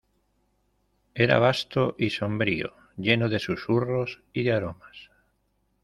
era vasto y sombrío, lleno de susurros y de aromas.